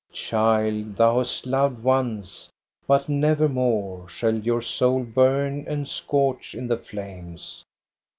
" Child, thou hast loved once, but nevermore Shall your soul burn and scorch in the flames.